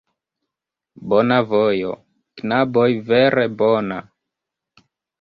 Bona vojo, knaboj, vere bona.